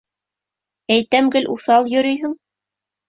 Әйтәм гел уҫал йөрөйһөң!